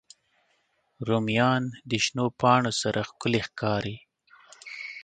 رومیان د شنو پاڼو سره ښکلي ښکاري